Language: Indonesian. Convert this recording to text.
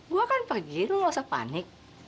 gue kan pergi lo gak usah panik